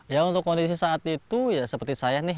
ya untuk kondisi saat itu ya seperti saya nih